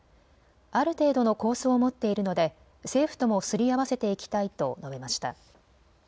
ある程度の構想を持っているので政府ともすり合わせていきたいと述べました。